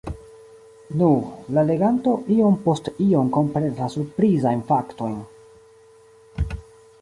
Nu, la leganto iom post iom komprenas la surprizajn faktojn.